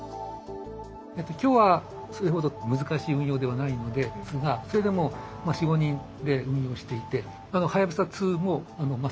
今日はそれほど難しい運用ではないのですがそれでも４５人で運用していて。